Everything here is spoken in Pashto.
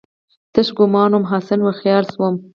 تش ګومان وم، حسن وخیال شوم